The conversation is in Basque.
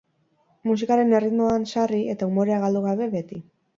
Musikaren erritmoan sarri, eta umorea galdu gabe, beti.